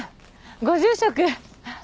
ご住職。